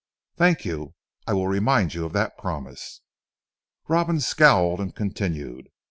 "Thank you; I will remind you of that promise." Robin scowled and continued.